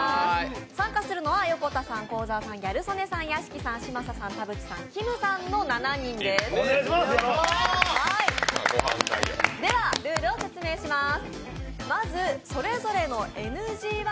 参加するのは横田さん、幸澤さん、ギャル曽根さん、屋敷さん、嶋佐さん、田渕さん、きむさんの７人ですではル−ルを説明します。